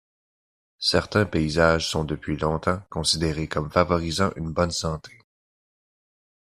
Certains paysages sont depuis longtemps considérés comme favorisant une bonne santé.